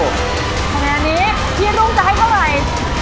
คะแนนนี้พี่รุ่งจะให้เท่าไหร่